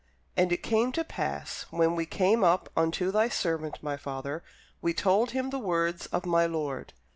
And it came to pass when we came up unto thy servant my father, we told him the words of my lord.